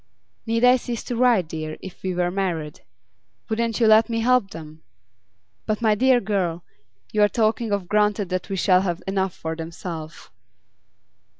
'Need I cease to write, dear, if we were married? Wouldn't you let me help them?' 'But, my dear girl, you are taking for granted that we shall have enough for ourselves.